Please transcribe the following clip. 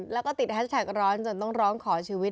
แล้วก็ติดแฮชแท็กร้อนจนต้องร้องขอชีวิต